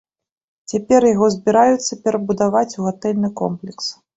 Цяпер яго збіраюцца перабудаваць у гатэльны комплекс.